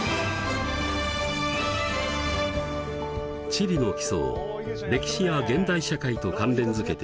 地理の基礎を歴史や現代社会と関連づけて総合的に学ぶ